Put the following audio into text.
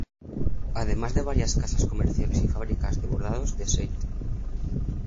Además de varias casas comerciales y fábricas de bordados de St.